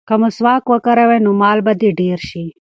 که مسواک وکاروې نو مال به دې ډېر شي.